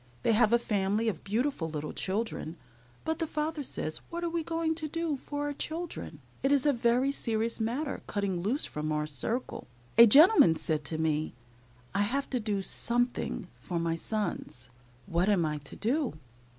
They have a family of beautiful little children, but the father says, "What are we going to do for our children? It is a very serious matter cutting loose from our circle." A gentleman said to me, "I have to do something for my sons. What am I to do?"